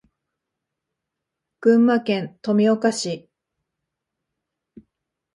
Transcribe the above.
群馬県富岡市